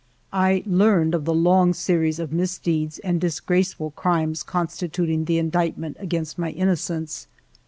I learned of the long series of misdeeds and disgraceful crimes constituting the indictment against my innocence.